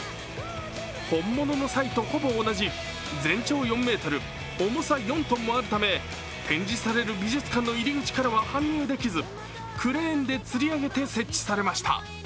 本物のサイとほぼ同じ全長４ｍ、重さ４ｔもあるため展示される美術館の入り口からは搬入できずクレーンでつり上げて設置されました。